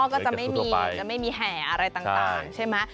อ๋อก็จะไม่มีแห่อะไรต่างใช่ไหม